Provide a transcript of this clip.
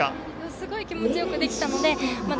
すごい気持ちよくできたのでまだ